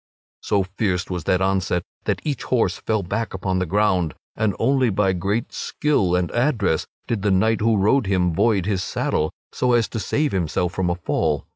So fierce was that onset that each horse fell back upon the ground and only by great skill and address did the knight who rode him void his saddle, so as to save himself from a fall.